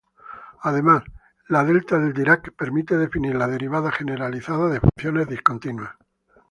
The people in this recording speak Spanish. Además, la delta de Dirac permite definir la derivada generalizada de funciones discontinuas.